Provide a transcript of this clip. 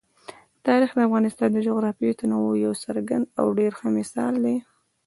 تاریخ د افغانستان د جغرافیوي تنوع یو څرګند او ډېر ښه مثال دی.